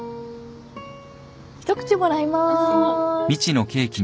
一口もらいまーす。